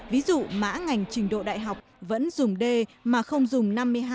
ví dụ mã ngành trình độ đại học vẫn dùng d mà không dùng năm mươi hai